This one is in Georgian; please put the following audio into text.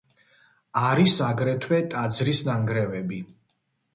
არის აგრეთვე ტაძრის ნანგრევები.